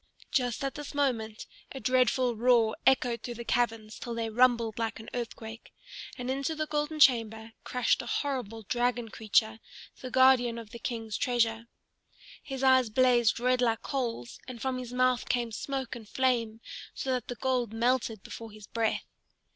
Just at this moment a dreadful roar echoed through the caverns till they rumbled like an earthquake, and into the golden chamber crashed a horrible dragon creature, the guardian of the King's treasure. His eyes blazed red like coals, and from his mouth came smoke and flame so that the gold melted before his breath.